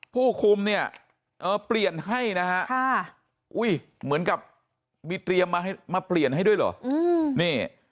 ผู้คุมเนี่ยเปลี่ยนให้นะฮะอุ้ยเหมือนกับมีเตรียมมาเปลี่ยนให้ด้วยเหรอ